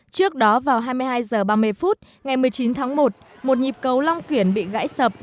trước đó vào hai mươi hai h ba mươi phút ngày một mươi chín tháng một một nhịp cầu long kiển bị gãy sập